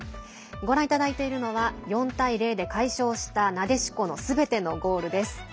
ご覧いただいているのは４対０で快勝した、なでしこのすべてのゴールです。